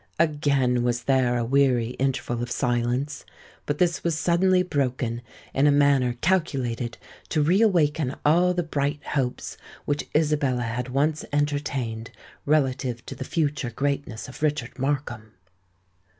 Again was there a weary interval of silence; but this was suddenly broken in a manner calculated to re awaken all the bright hopes which Isabella had once entertained relative to the future greatness of Richard Markham.